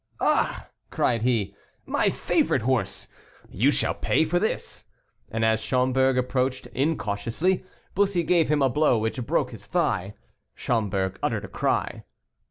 "Ah!" cried he, "my favorite horse, you shall pay for this." And as Schomberg approached incautiously, Bussy gave him a blow which broke his thigh. Schomberg uttered a cry.